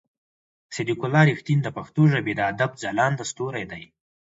صديق الله رښتين د پښتو ژبې د ادب ځلانده ستوری دی.